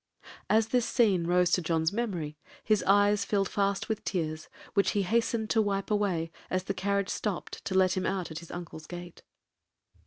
As this scene rose to John's memory, his eyes filled fast with tears, which he hastened to wipe away as the carriage stopt to let him out at his uncle's gate.